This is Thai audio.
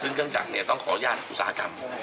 ซึ่งเกิดจากนี้ต้องขออนุญาตอุตสาหกรรม